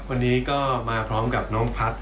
วันนี้ก็มาพร้อมกับน้องพัฒน์